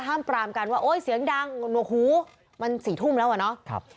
ปรามกันว่าโอ๊ยเสียงดังหูมัน๔ทุ่มแล้วอะเนาะ